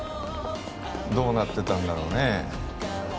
どうなってたんだろうねえ？